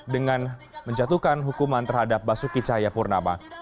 dengan menjatuhkan hukuman terhadap basuki cahaya purnama